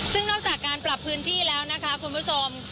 ซึ่งนอกจากการปรับพื้นที่แล้วนะคะคุณผู้ชม